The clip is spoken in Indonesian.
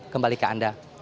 kembali ke anda